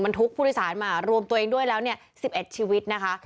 มันทุกข์ภูติศาสตร์มารวมตัวเองด้วยแล้วสิบเอ็ดชีวิตนะคะ